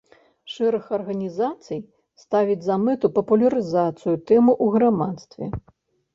Шэраг арганізацый ставіць за мэту папулярызацыю тэмы ў грамадстве.